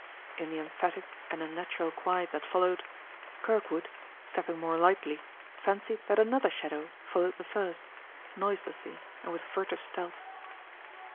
In the emphatic and unnatural quiet that followed, Kirkwood, stepping more lightly, fancied that another shadow followed the first, noiselessly and with furtive stealth.